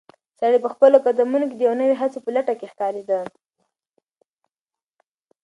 سړی په خپلو قدمونو کې د یوې نوې هڅې په لټه کې ښکارېده.